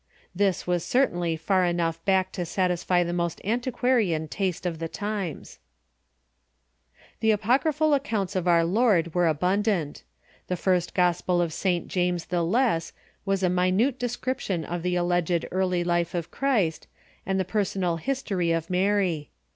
This was certainly far enough back to satisfy the most anti quarian taste of the times. The apocryi>hal accounts of our Lord Avere abundant. The 62 THE EARLY CHURCH First Gospel of St. James the Less was a minute description of tlie alleged early life of Christ, and of the per Apocryphai Ac g^j^j^j history of Mary.